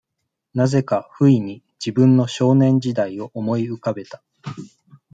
何故か、不意に、自分の少年時代を思い浮かべた。